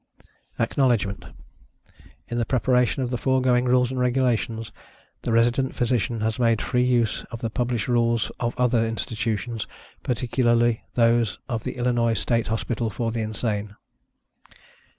ACKNOWLEDGMENT. In the preparation of the foregoing Rules and Regulations, the Resident Physician has made free use of the published rules of other Institutions, particularly those of the Illinois State Hospital for the Insane.